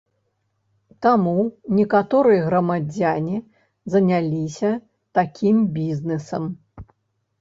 Таму некаторыя грамадзяне заняліся такім бізнэсам.